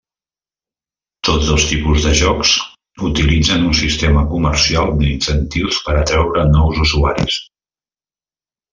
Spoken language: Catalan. Tots dos tipus de joc, utilitzen un sistema comercial d'incentius per atreure nous usuaris.